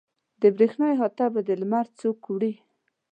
د برېښنا احاطه به د لمر څوک وکړي.